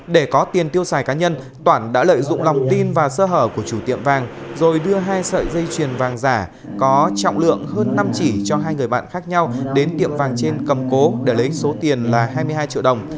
để có tiền tiêu xài cá nhân toản đã lợi dụng lòng tin và sơ hở của chủ tiệm vàng rồi đưa hai sợi dây chuyền vàng giả có trọng lượng hơn năm chỉ cho hai người bạn khác nhau đến tiệm vàng trên cầm cố để lấy số tiền là hai mươi hai triệu đồng